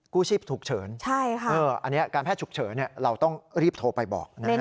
กู้ชีพถูกเฉินอันนี้การแพทย์ถูกเฉินเราต้องรีบโทรไปบอกนะครับ